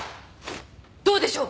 どうでしょう？